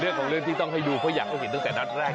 เรื่องของเรื่องที่ต้องให้ดูเพราะอยากให้เห็นตั้งแต่นัดแรก